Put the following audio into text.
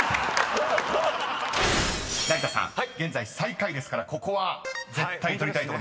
［成田さん現在最下位ですからここは絶対取りたいとこですね］